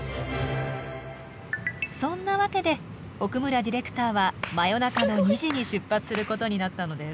そんなわけで奥村ディレクターは真夜中の２時に出発することになったのです。